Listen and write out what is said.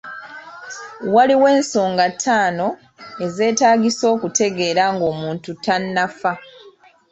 Waliwo ensonga taano ezetaagisa okutegeera nga omuntu tannaffa.